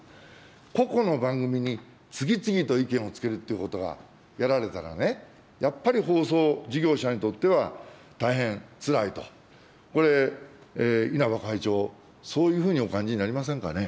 個々の番組に次々と意見をつけるということが、やられたらね、やっぱり放送事業者にとっては、大変つらいと、これ、稲葉会長、そういうふうにお感じになりませんかね。